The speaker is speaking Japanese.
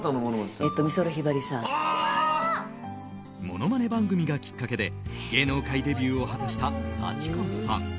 ものまね番組がきっかけで芸能界デビューを果たした幸子さん。